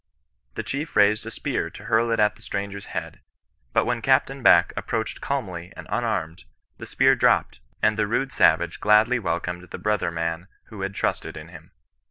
The chief raised a spear to hurl it at the stranger's head ; but when Capt. Back approached calmly and unarmed, the spear dropped, and the rude savage gladly wcdcomed the Dtro ther man who had trusted in him.